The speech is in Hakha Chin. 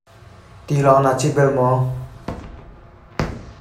Tilawng naa cit bal maw?